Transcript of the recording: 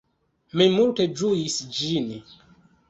Ni multe ĝuis ĝin.